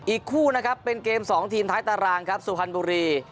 อีกคู่นะครับเป็นเกม๒ทีมท้ายตารางครับสุพรรณบุรี